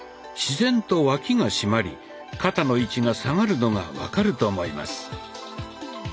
自然と脇がしまり肩の位置が下がるのが分かると思います。